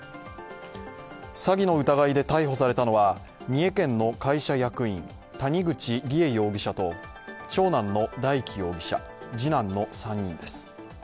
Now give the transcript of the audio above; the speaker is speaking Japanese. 詐欺の疑いで逮捕されたのは三重県の会社役員、谷口梨恵容疑者と長男の大祈容疑者、次男の３人です。